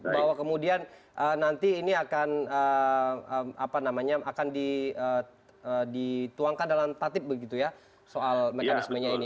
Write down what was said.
bahwa kemudian nanti ini akan dituangkan dalam tatip begitu ya soal mekanismenya ini